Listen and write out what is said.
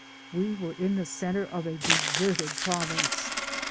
We were in the centre of a deserted pro vince.